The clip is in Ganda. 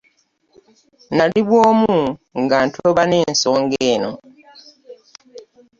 Nali bwomu nga ntoba n'ensonga eno.